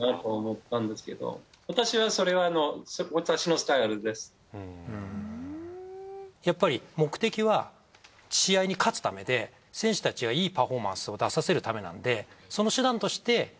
私はそれはやっぱり目的は試合に勝つためで選手たちがいいパフォーマンスを出させるためなんで。